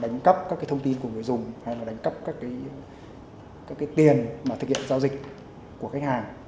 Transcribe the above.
đánh cắp các thông tin của người dùng hay là đánh cắp các cái tiền mà thực hiện giao dịch của khách hàng